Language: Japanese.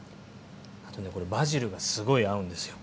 あとねバジルがすごい合うんですよ。